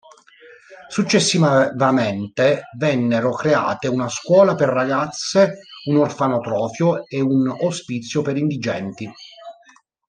Successivamente vennero create una scuola per ragazze, un orfanotrofio e un ospizio per indigenti.